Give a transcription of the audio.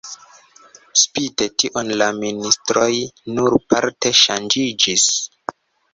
Spite tion la ministroj nur parte ŝanĝiĝis.